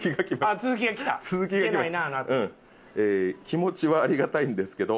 「気持ちはありがたいですけど」